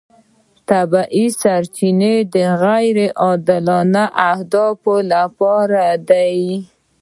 طبیعي سرچینې د غیر عادلانه اهدافو لپاره دي.